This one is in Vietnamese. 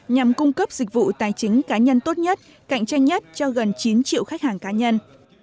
nhằm cung cấp dịch vụ tài chính cá nhân tốt nhất cạnh tranh nhất cho gần chín triệu khách hàng cá nhân